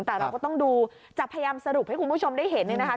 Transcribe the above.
แต่เราก็ต้องดูจะพยายามสรุปให้คุณผู้ชมได้เห็นเนี่ยนะคะ